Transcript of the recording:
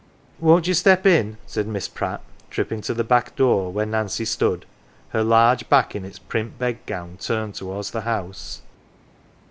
" Won't you step in ?" said Miss Pratt, tripping to 91 NANCY the back door, where Nancy stood, her large back in its print bedgown turned towards the house.